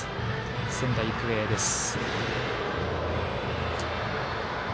仙台育英です。